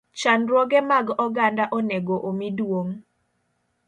Chandruoge mag oganda onego omi duong`.